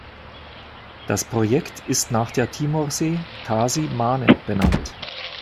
Das Projekt ist nach der Timorsee "Tasi Mane" benannt.